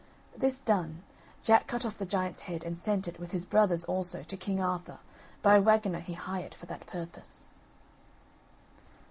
This done, Jack cut off the giant's head, and sent it, with his brother's also, to King Arthur, by a waggoner he hired for that purpose.